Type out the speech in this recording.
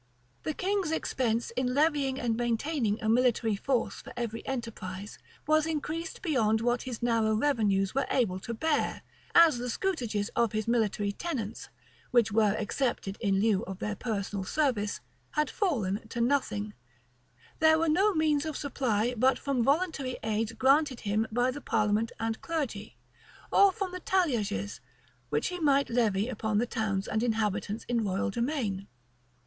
The king's expense in levying and maintaining a military force for every enterprise, was increased beyond what his narrow revenues were able to bear: as the scutages of his military tenants, which were accepted in lieu of their personal service, had fallen to nothing, there were no means of supply but from voluntary aids granted him by the parliament and clergy, or from the talliages which he might levy upon the towns and inhabitants in royal demesne.